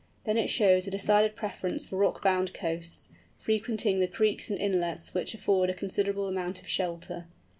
Then it shows a decided preference for rock bound coasts, frequenting the creeks and inlets which afford a considerable amount of shelter.